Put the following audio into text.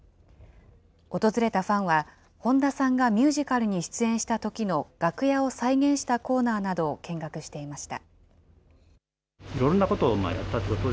訪れたファンは、本田さんがミュージカルに出演したときの楽屋を再現したコーナーなどを見学していました。